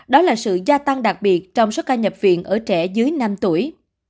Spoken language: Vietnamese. đó là sự gia tăng đặc biệt trong số ca nhập viện ở trẻ dưới năm tuổi